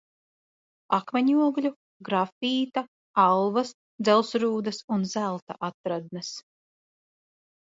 Akmeņogļu, grafīta, alvas, dzelzs rūdas un zelta atradnes.